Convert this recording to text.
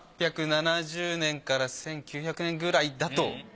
１８７０年から１９００年くらいだと。